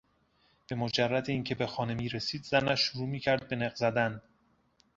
به مجرد اینکه به خانه میرسید زنش شروع میکرد به نق زدن.